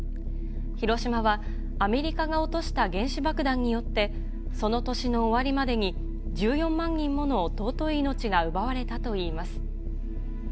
広島はアメリカが落とした原子爆弾によって、その年の終わりまでに１４万人もの尊い命が奪われたといいます。